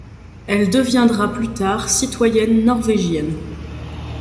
Elle deviendra plus tard citoyenne norvégienne.